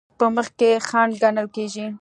په مخ کې خنډ ګڼل کیږي.